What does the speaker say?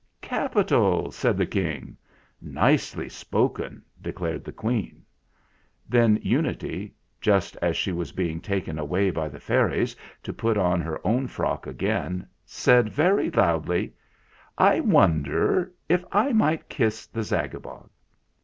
"Capital !" said the King. "Nicely spoken," declared the Queen. Then Unity, just as she was being taken away by the fairies to put on her own frock again, said very loudly: "I wonder if I might kiss the Zagabog?"